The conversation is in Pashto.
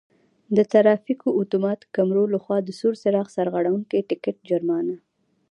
د ترافیکو آتومات کیمرو له خوا د سور څراغ سرغړونې ټکټ جرمانه: